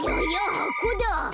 はこだ。